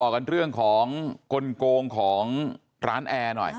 กันเรื่องของกลงของร้านแอร์หน่อย